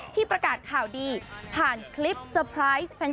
ประกาศข่าวดีผ่านคลิปเตอร์ไพรส์